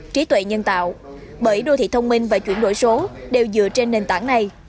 trí tuệ nhân tạo bởi đô thị thông minh và chuyển đổi số đều dựa trên nền tảng này